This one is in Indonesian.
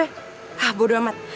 hah bodo amat